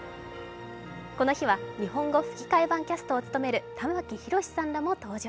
この日は日本語吹き替え版キャストを務める玉木宏さんらも登場。